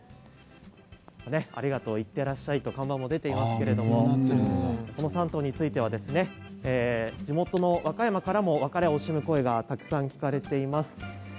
ありがとう、行ってらっしゃいと看板も出ていますけれどこの３頭については地元の和歌山からも別れを惜しむ声がたくさん聞かれています。